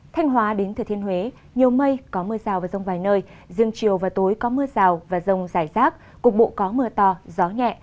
thanh hóa đến thời thiên huế nhiều mây có mưa rào và rông vài nơi riêng chiều và tối có mưa rào và rông dài xác cục bộ có mưa tỏ gió nhẹ